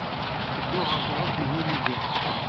Tteddun ɣer teɣremt n Himeji.